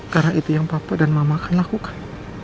karena itu yang papa dan mama akan lakukan